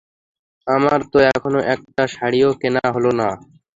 আমার তো এখনো একটা শাড়িও কেনা হলো না।